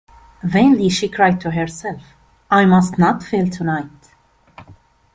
Vainly she cried to herself, "I must not fail tonight."